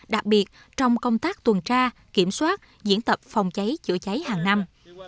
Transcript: đặc biệt trong công tác tuần tra kiểm soát diễn tập phòng cháy chữa cháy hàng năm